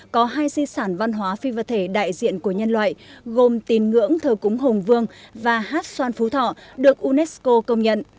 có hai di sản văn hóa phi vật thể đại diện của nhân loại gồm tín ngưỡng thờ cúng hùng vương và hát xoan phú thọ được unesco công nhận